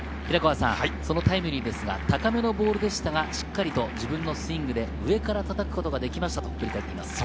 そのタイムリーですが、高めのボールでしたが、しっかり自分のスイングで上からたたくことができましたと振り返っています。